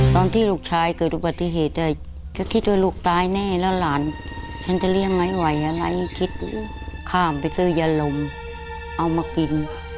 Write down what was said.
ตอนที่ลูกชายเกิดอุบัติเหตุก็คิดว่าลูกตายแน่แล้วหลานฉันจะเลี้ยงไม่ไหวอะไรคิดข้ามไปซื้อยาลมเอามากิน